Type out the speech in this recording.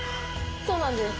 そうなんです。